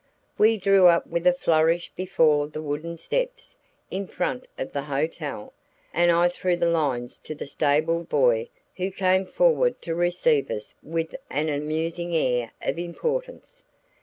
We drew up with a flourish before the wooden steps in front of the hotel, and I threw the lines to the stable boy who came forward to receive us with an amusing air of importance.